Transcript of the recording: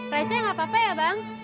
receh gak apa apa ya bang